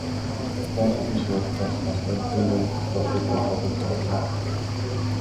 The first edition was pressed on red vinyl; subsequent pressings were on black.